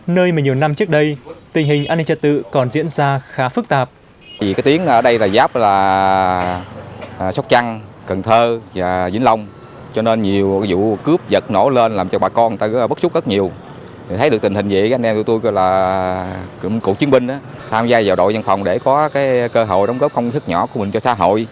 nơi mà nhiều năm trước đây tình hình an ninh trật tự còn diễn ra khá phức tạp